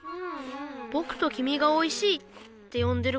ぼくときみが「おいしい」ってよんでる